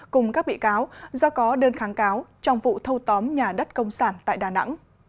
cùng các bị cáo do có đơn kháng cáo trong vụ thâu tóm nhà đất công sản tại đà nẵng